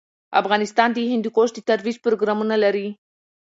افغانستان د هندوکش د ترویج پروګرامونه لري.